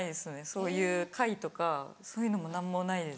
そういう会とかそういうのも何もないです。